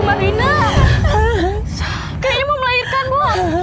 kayaknya mau melahirkan bu